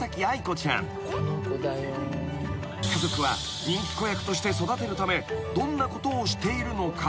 ［家族は人気子役として育てるためどんなことをしているのか？］